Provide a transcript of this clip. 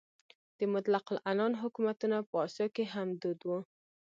د مطلق العنان حکومتونه په اسیا کې هم دود وو.